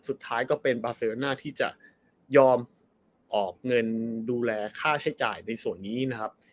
สุดท้ายก็เป็นบาเซลน่าที่จะยอมออกเงินดูแลค่าใช้จ่ายในส่วนนี้นะครับ